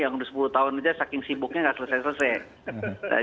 yang sudah sepuluh tahun saja saking sibuknya tidak selesai selesai